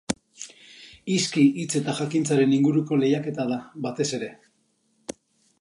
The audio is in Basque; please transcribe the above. Hizki, hitz eta jakintzaren inguruko lehiaketa da, batez ere.